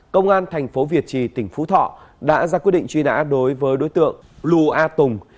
công an thành phố việt trì tỉnh phú thọ đã ra quyết định truy nã đối với đối tượng lù a tùng